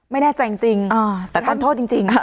ไม่แน่ใจจริงจริงอ่าแต่ท่านโทษจริงจริงอ่า